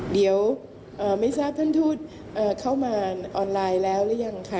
เดี๋ยวไม่ทราบท่านทูตเข้ามาออนไลน์แล้วหรือยังค่ะ